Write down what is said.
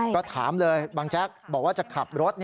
ก็ถามเลยบางแจ๊กบอกว่าจะขับรถ